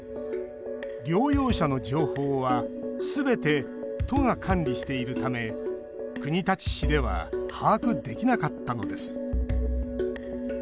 療養者の情報はすべて都が管理しているため国立市では把握できなかったのです。